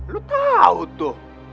lu tahu tuh